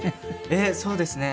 えっそうですね。